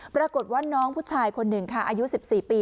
ปรากฏว่าน้องผู้ชายคนหนึ่งค่ะอายุ๑๔ปี